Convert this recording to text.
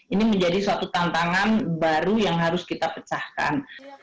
ini menjadi suatu tantangan baru yang harus kita pecahkan